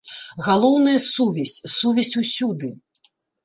Галоўнае, сувязь, сувязь усюды.